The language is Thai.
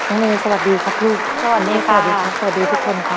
น้องเมสวัสดีครับคู่สวัสดีค่ะสวัสดีทุกคนค่ะ